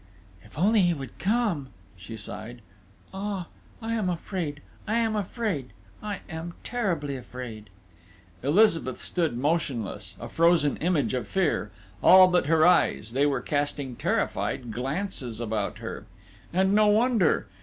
"If only he would come!" she sighed.... "Ah, I am afraid! I am afraid!... I am terribly afraid!" Elizabeth stood motionless a frozen image of fear all but her eyes: they were casting terrified glances about her.... And no wonder!